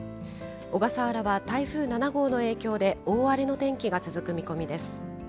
小笠原は台風７号の影響で大荒れの天気が続く見込みです。